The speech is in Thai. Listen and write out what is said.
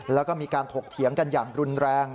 แล้วก็มีการถกเถียงกันอย่างรุนแรง